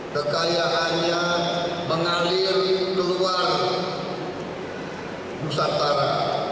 kekayaannya mengalir ke luar nusantara